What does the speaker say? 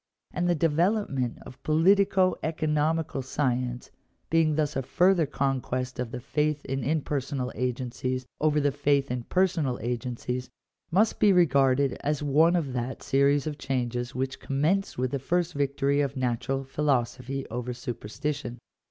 And the development of politico economical science, being thus a further conquest of the faith in impersonal agencies over the faith in personal agen cies, must be regarded as one of that series of changes which commenced with the first victory of natural philosophy over superstition.